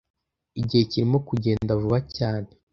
Igihe kirimo kugenda vuba cyane.